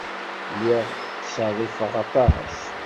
Lliɣ ttṣerrifeɣ aṭas.